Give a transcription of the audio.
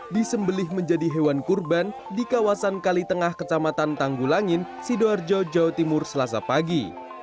disembelih menjadi hewan kurban di kawasan kali tengah kecamatan tanggulangin sidoarjo jawa timur selasa pagi